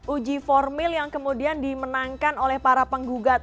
uji formil yang kemudian dimenangkan oleh para penggugat